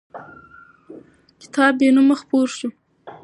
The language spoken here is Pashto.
کتاب بېنومه خپور شو.